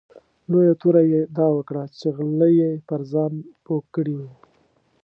لویه توره یې دا وکړه چې غله یې پر ځان پوه کړي وو.